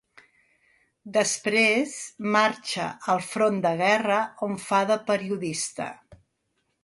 Després, marxa al front de guerra, on fa de periodista.